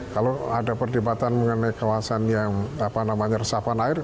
kalau ada perdebatan mengenai kawasan yang apa namanya resapan air